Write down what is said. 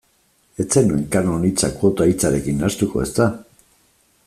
Ez zenuen kanon hitza kuota hitzarekin nahastuko, ezta?